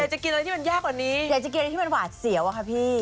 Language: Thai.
จะกินอะไรที่มันยากกว่านี้อยากจะกินอะไรที่มันหวาดเสียวอะค่ะพี่